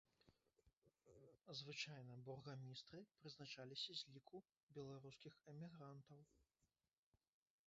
Звычайна бургамістры прызначаліся з ліку беларускіх эмігрантаў.